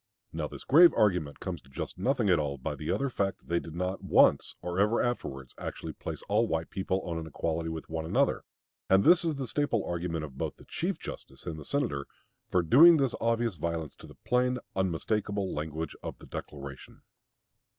Now this grave argument comes to just nothing at all by the other fact that they did not at once or ever afterwards actually place all white people on an equality with one another. And this is the staple argument of both the Chief Justice and the Senator, for doing this obvious violence to the plain, unmistakable language of the Declaration.